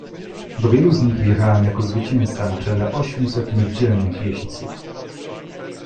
"Do wielu z nich wjechałem jako zwycięzca na czele ośmiuset mych dzielnych jeźdźców."